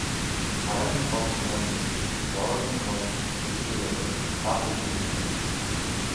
Хараагийн голд хоноод, Бороогийн голд үлдэхээр явахад бага үдийн үе байв.